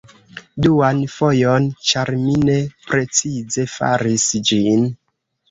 Duan fojon ĉar mi ne precize faris ĝin